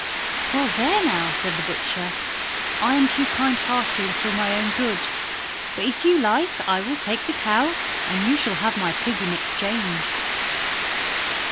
"Well, there now!" said the butcher. "I am too kind hearted for my own good, but if you like I will take the cow and you shall have my pig in exchange."